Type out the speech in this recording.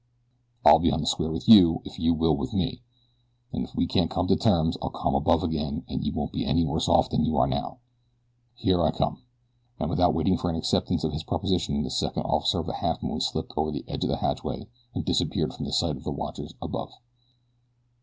I'll be on the square with you if you will with me, and if we can't come to terms I'll come above again and you won't be any worse off than you are now. Here I come," and without waiting for an acceptance of his proposition the second officer of the Halfmoon slipped over the edge of the hatchway and disappeared from the sight of the watchers above.